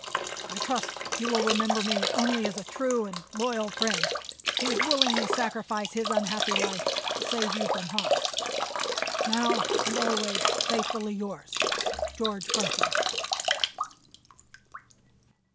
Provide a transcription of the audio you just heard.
I trust you will remember me only as a true and loyal friend who would willingly sacrifice his unhappy life to save you from harm. Now and always faithfully yours_, "GEORGE BURTHON."